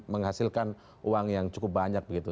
menghasilkan uang yang cukup banyak begitu